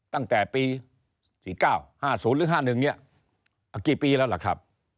ตั้งแต่ปี๔๙๕๐หรือ๕๑เนี่ยกี่ปีแล้วล่ะครับ